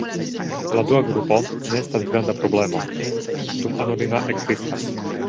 La dua grupo ne estas granda problemo, dum anonima ekzistas.